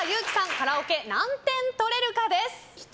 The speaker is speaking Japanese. カラオケ何点取れるかです。